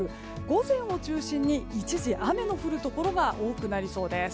午前を中心に一時雨の降るところが多くなりそうです。